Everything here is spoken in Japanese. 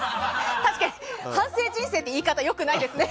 確かに反省人生って言い方は良くないですね。